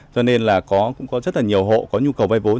cho nên là cũng có rất là nhiều hộ có nhu cầu vay vốn